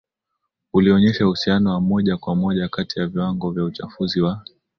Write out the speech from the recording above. ulionyesha uhusiano wa moja kwa moja kati ya viwango vya uchafuzi wa